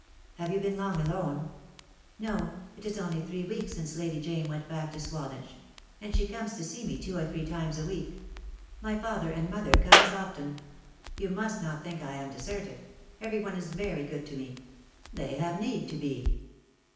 "Have you been long alone?" "No. It is only three weeks since Lady Jane went back to Swanage; and she comes to see me two or three times a week. My father and mother come as often. You must not think I am deserted. Every one is very good to me." "They have need to be."